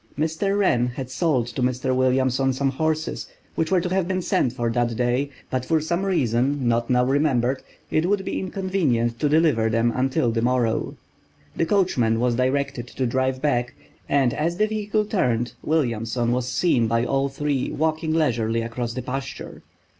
Mr. Wren had sold to Mr. Williamson some horses, which were to have been sent for that day, but for some reason not now remembered it would be inconvenient to deliver them until the morrow. The coachman was directed to drive back, and as the vehicle turned Williamson was seen by all three, walking leisurely across the pasture.